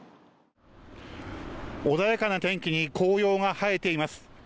穏やかな天気に紅葉が映えています。